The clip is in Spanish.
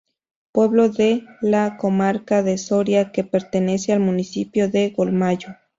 Pueblo de la Comarca de Soria que pertenece al municipio de Golmayo.